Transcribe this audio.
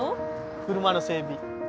車の整備。